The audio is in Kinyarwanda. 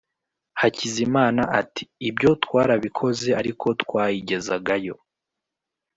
Hakizimana ati Ibyo twarabikoze ariko twayigezagayo